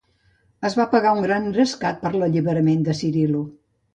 Es va pagar un gran rescat per a l'alliberament de Cirillo.